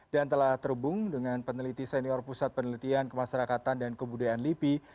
dan telah terhubung dengan peneliti senior pusat penelitian kemasyarakatan dan kebudayaan lipi